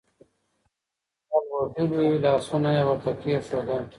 کنګل وهلي لاسونه يې ورته کېښودل.